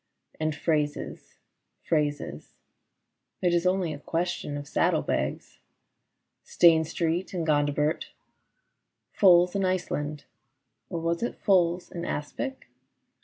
And phrases, phrases — It is only a question of saddle bags, Stane Street and Gondibert, Foals in Iceland (or was it Foals in aspic